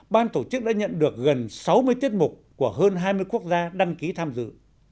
ban tổ chức đã nhận được gần sáu mươi tiết mục của hơn hai mươi quốc gia đăng ký tham dự